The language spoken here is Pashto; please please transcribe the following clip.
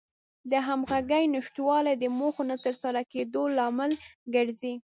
د همغږۍ نشتوالی د موخو نه تر سره کېدلو لامل ګرځي.